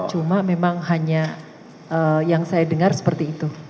cuma memang hanya yang saya dengar seperti itu